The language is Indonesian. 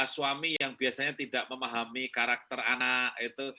suami yang biasanya tidak memahami karakter anak itu